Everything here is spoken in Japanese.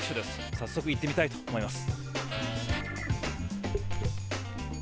早速、行ってみたいと思います。